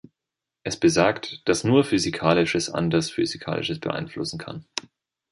Es besagt, dass nur Physikalisches anderes Physikalisches beeinflussen kann.